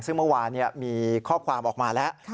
ซึ่งเมื่อวานมีข้อความออกมาแล้ว